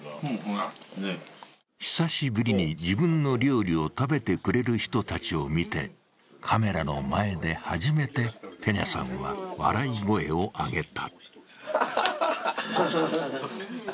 久しぶりに自分の料理を食べてくれる人たちを見て、カメラの前で初めてペニャさんは笑い声を上げた。